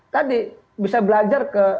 tadi bisa belajar ke